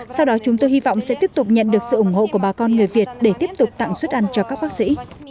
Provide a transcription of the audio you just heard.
sau đó chúng tôi hy vọng sẽ tiếp tục nhận được sự ủng hộ của bà con người việt để tiếp tục tặng suất ăn cho các bác sĩ